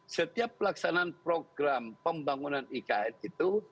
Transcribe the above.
setiap pelaksanaan program pembangunan ikn itu